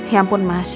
ya ampun mas